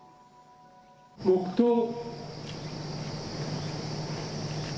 黙とう。